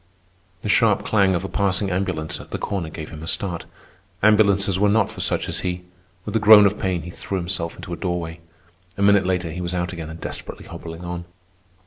The sharp clang of a passing ambulance at the corner gave him a start. Ambulances were not for such as he. With a groan of pain he threw himself into a doorway. A minute later he was out again and desperately hobbling on.